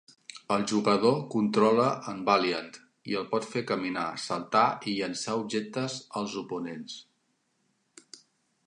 El jugador controla en Valiant i el pot fer caminar, saltar i llançar objectes als oponents.